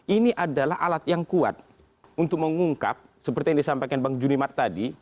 ini adalah alat yang kuat untuk mengungkap seperti yang disampaikan bang junimar tadi